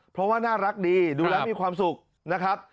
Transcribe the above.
เพราะว่าน่ารักดีดูแล้วมีความสุขนะครับ